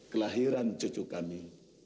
kelahiran cucu kami